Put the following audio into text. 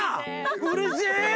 うれしい！